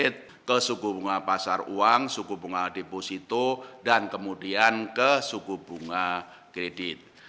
kita ke suku bunga pasar uang suku bunga deposito dan kemudian ke suku bunga kredit